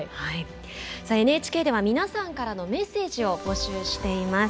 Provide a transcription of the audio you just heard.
ＮＨＫでは皆さんからのメッセージを募集しています。